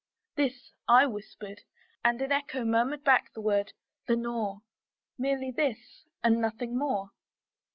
This I whispered, and an echo murmured back the word, "Lenore:" Merely this, and nothing more.